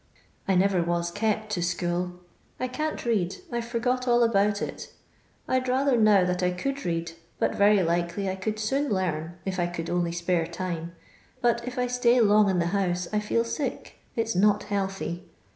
I never was kept to school. I can't read ; I 'to forgot all about it. Td rather now that I could read, but very likely I coald soon learn if I could only spare time^ bat i^ I stay long in the house t feel sick; it's not healthy.